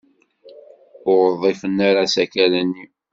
Ur ḍḍifen ara asakal-nni.